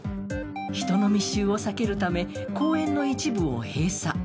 人の密集を避けるため、公園の一部を閉鎖。